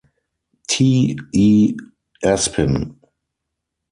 T. E. Espin.